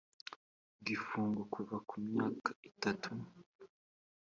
igifungo kuva ku myaka itatu